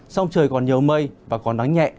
sông trời còn nhiều mây và còn nắng nhẹ